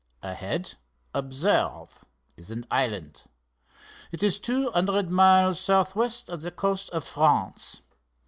"Ahead, observe, is an island. It is two hundred miles southwest of the coast of France.